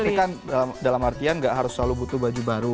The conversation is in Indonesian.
tapi kan dalam artian gak harus selalu butuh baju baru